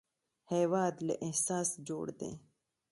هېواد له احساس جوړ دی